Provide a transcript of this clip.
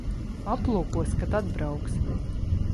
Aplūkosi, kad atbrauksi.